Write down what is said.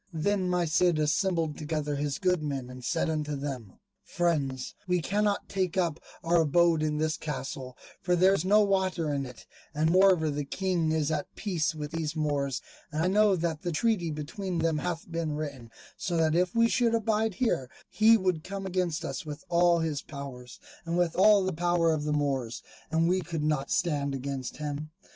Then my Cid assembled together his good men and said unto them, "Friends, we cannot take up our abode in this castle, for there is no water in it, and moreover the King is at peace with these Moors, and I know that the treaty between them hath been written; so that if we should abide here he would come against us with all his power, and with all the power of the Moors, and we could not stand against him.